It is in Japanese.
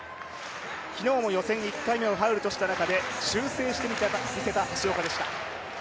昨日のも予選１回目をファウルとした中で修正を見せてきた橋岡でした。